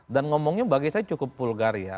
dan ngomongnya bagi saya cukup vulgar ya